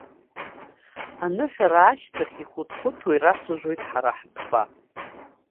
Аныҳәара ашьҭахь ихәыҭхәыҭуа ирацәажәоит ҳара ҳтәқәа.